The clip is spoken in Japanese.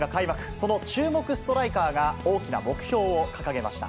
その注目ストライカーが大きな目標を掲げました。